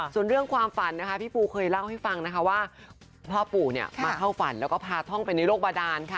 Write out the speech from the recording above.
ส่วนเรื่องความฝันนะคะพี่ปูเคยเล่าให้ฟังนะคะว่าพ่อปู่มาเข้าฝันแล้วก็พาท่องไปในโลกบาดานค่ะ